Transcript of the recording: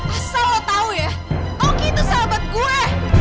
asal lo tau ya oke itu sahabat gue